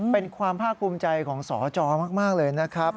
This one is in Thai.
เป็นความภาคภูมิใจของสจมากเลยนะครับ